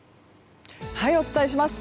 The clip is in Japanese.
お伝えします。